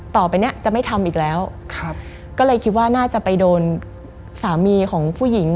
ต่อไปเนี้ยจะไม่ทำอีกแล้วก็เลยคิดว่าน่าจะไปโดนสามีของผู้หญิง